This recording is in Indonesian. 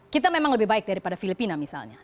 kita memang lebih baik daripada filipina misalnya